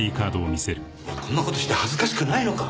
お前こんな事して恥ずかしくないのか？